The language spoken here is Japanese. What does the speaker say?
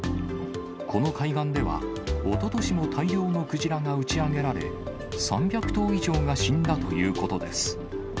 この海岸では、おととしも大量のクジラが打ち上げられ、３００頭以上が死んだということです。